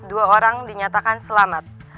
dua orang dinyatakan selamat